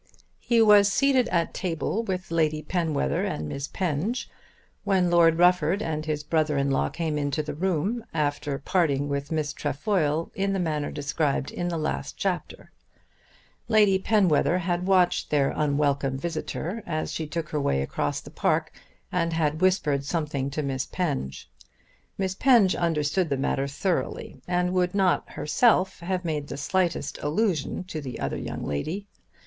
He was seated at table with Lady Penwether and Miss Penge when Lord Rufford and his brother in law came into the room, after parting with Miss Trefoil in the manner described in the last chapter. Lady Penwether had watched their unwelcome visitor as she took her way across the park and had whispered something to Miss Penge. Miss Penge understood the matter thoroughly, and would not herself have made the slightest allusion to the other young lady.